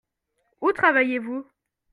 Où travaillez-vous ?